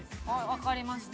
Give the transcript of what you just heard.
わかりました。